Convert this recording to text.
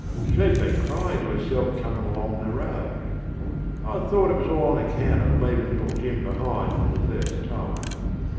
SheŌĆÖd been crying to herself coming along the road. I thought it was all on account of leaving little Jim behind for the first time.